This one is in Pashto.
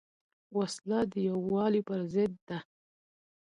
وسله د یووالي پر ضد ده